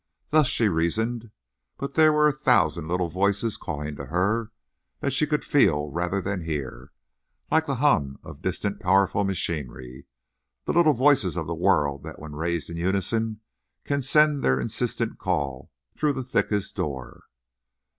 Thus she reasoned; but there were a thousand little voices calling to her that she could feel rather than hear, like the hum of distant, powerful machinery—the little voices of the world, that, when raised in unison, can send their insistent call through the thickest door.